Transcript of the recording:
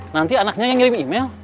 nanti anaknya yang ngirim email